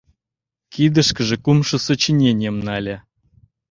Кидышкыже кумшо сочиненийым нале.